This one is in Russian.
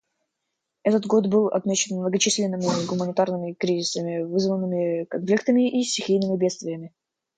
Этот год был отмечен многочисленными гуманитарными кризисами, вызванными конфликтами и стихийными бедствиями.